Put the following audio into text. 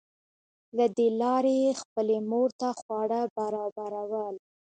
له دې لارې یې خپلې مور ته خواړه برابرول